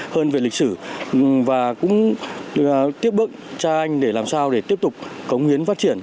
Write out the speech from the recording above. hơn về lịch sử và cũng tiếp bước cha anh để làm sao để tiếp tục cống hiến phát triển